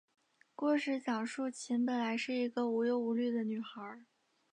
故事讲述琴本来是一个无忧无虑的女孩。